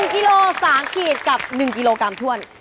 กิโล๓ขีดกับ๑กิโลกรัมถ้วน